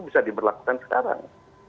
bisa diberlakukan sekarang